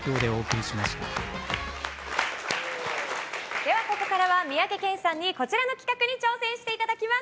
では、ここからは三宅健さんにこちらの企画に挑戦していただきます。